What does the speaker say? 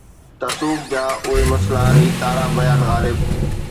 تصوف جا اهي مسئلا، هي تارا بيان غالب